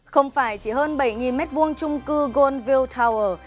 không phải chỉ hơn bảy m hai trung cư goldville tower